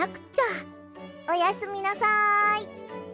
おやすみなさい。